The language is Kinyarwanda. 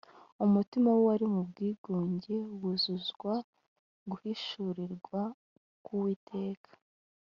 ’’ Umutima w’uwari mu bwigunge wuzuzwa guhishurirwa kw’Uwiteka